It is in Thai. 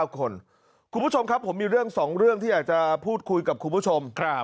คุณผู้ชมครับผมมีเรื่อง๒เรื่องที่อยากจะพูดคุยกับคุณผู้ชม